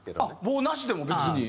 棒なしでも別に？